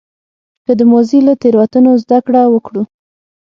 که د ماضي له تېروتنو زده کړه وکړه.